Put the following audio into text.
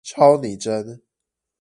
超擬真！